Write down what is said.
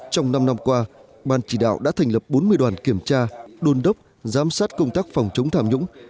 trong năm năm qua ban chỉ đạo đã thành lập bốn mươi đoàn kiểm tra đôn đốc giám sát công tác phòng chống tham nhũng